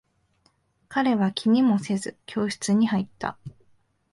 彼は気にもせず、教室に入った。